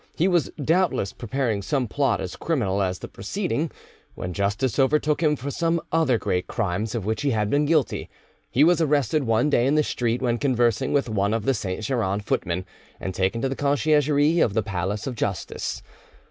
He was doubtless preparing some plot as criminal as the preceding, when justice overtook him for some other great crimes of which he had been guilty. He was arrested one day in the street when conversing with one of the Saint Geran footmen, and taken to the Conciergerie of the Palace of Justice.